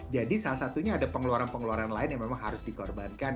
jadi salah satunya ada pengeluaran pengeluaran lain yang memang harus dikorbankan